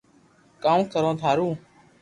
ڪاو ڪرو ٿارو